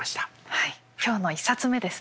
はい今日の１冊目ですね。